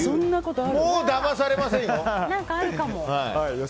もう、だまされませんよ！